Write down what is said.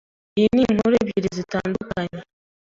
Iyi ninkuru ebyiri zitandukanye.